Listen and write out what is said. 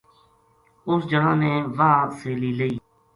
اُس جنا نے واہ سیلی لئی